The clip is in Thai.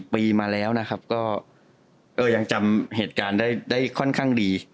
ปีมาแล้วนะครับก็ยังจำเหตุการณ์ได้ค่อนข้างดี